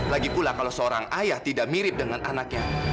lagipula kalau seorang ayah tidak mirip dengan anaknya